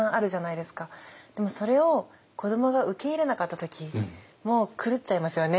でもそれを子どもが受け入れなかった時もう狂っちゃいますよね